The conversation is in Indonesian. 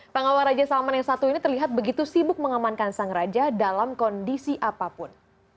pengawal raja salman yang satu ini terlihat begitu sibuk mengamankan sang raja dalam kondisi apapun